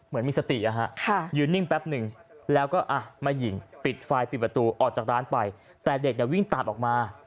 มาหยิงปิดไฟล์ปิดประตูออกจากร้านไปแต่เด็กเนี่ยวิ่งตัดออกมา